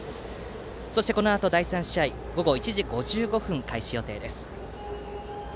そして、このあと第３試合は午後１時５５分開始予定です。